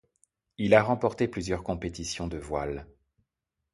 Il a remporté plusieurs compétitions de voile.